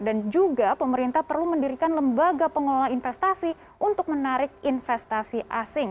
dan juga pemerintah perlu mendirikan lembaga pengelola investasi untuk menarik investasi asing